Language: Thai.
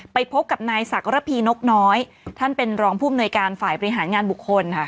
ไปพบกับนายศักรพีนกน้อยท่านเป็นรองผู้อำนวยการฝ่ายบริหารงานบุคคลค่ะ